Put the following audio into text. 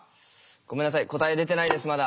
ごめんなさい答え出てないですまだ。